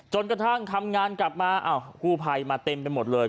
จนกระทั่งทำงานกลับมาอ้าวกู้ภัยมาเต็มไปหมดเลย